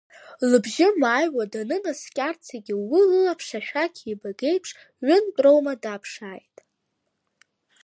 Лыбжьы мааҩуа данынаскьарцагьы, уи лылаԥш ашәақь еибагеиԥш ҩынтә роума даԥшааит…